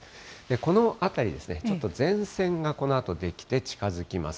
この辺り、ちょっと前線がこのあと出来て、近づきます。